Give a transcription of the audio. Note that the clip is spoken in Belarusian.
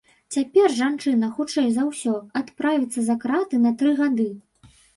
Цяпер жанчына, хутчэй за ўсё, адправіцца за краты на тры гады.